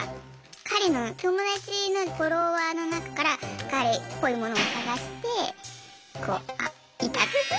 彼の友達のフォロワーの中から彼っぽいものを探してこうあっいたって。